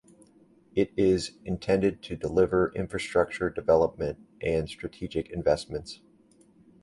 It is intended to deliver infrastructure development and strategic investments.